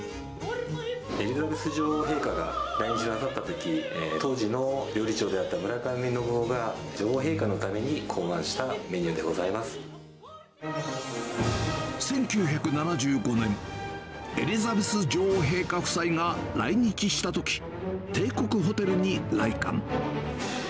エリザベス女王陛下が来日なさったとき、当時の料理長であった村上信夫が、女王陛下のために考案したメニュ１９７５年、エリザベス女王陛下夫妻が来日したとき、帝国ホテルに来館。